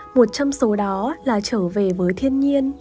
một trong số đó là trở về với thiên nhiên